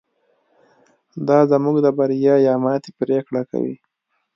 دا زموږ د بریا یا ماتې پرېکړه کوي.